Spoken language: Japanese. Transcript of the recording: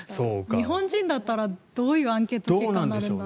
日本人だったらどういうアンケート結果になるんだろう。